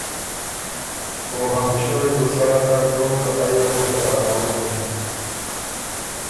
او همېشه وې بو سا کر دوک که ایۀ بُو حېرانوَکِن۔